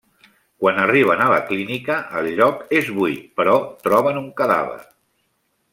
Quan arriben a la clínica, el lloc és buit però troben un cadàver.